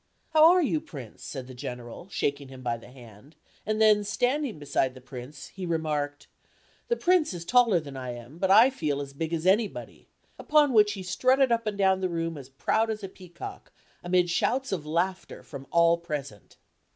"How are you, Prince?" said the General, shaking him by the hand; and then standing beside the Prince, he remarked, "the Prince is taller than I am, but I feel as big as anybody" upon which he strutted up and down the room as proud as a peacock, amid shouts of laughter from all present.